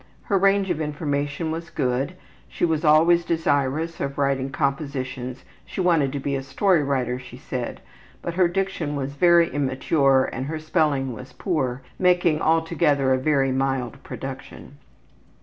Her range of information was good. She was always desirous of writing compositions, she wanted to be a story writer, she said, but her diction was very immature and her spelling was poor, making altogether a very mild production.